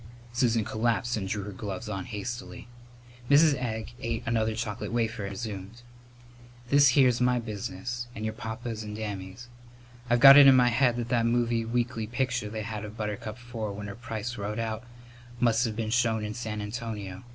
Susan collapsed and drew her gloves on hastily. Mrs. Egg ate another chocolate wafer and resumed: "This here's my business and your papa's and Dammy's. I've got it in my head that that movie weekly picture they had of Buttercup Four with her price wrote out must have been shown in San Antonio.